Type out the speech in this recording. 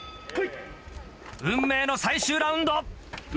運命の最終ラウンド。